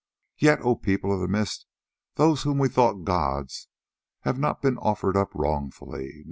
Yet, O People of the Mist, those whom we thought gods have not been offered up wrongfully.